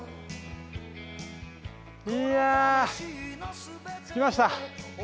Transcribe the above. いやあ着きました！